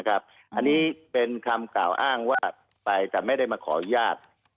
อันนี้เป็นคำกล่าวอ้างว่าไปแต่ไม่ได้มาขออนุญาต